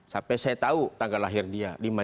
sampai saya tahu tanggal lahir dia